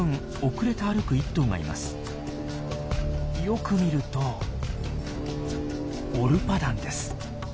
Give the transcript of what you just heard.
よく見るとオルパダンです。